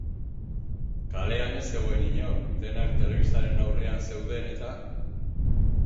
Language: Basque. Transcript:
Kalean ez zegoen inor, denak telebistaren aurrean zeuden-eta.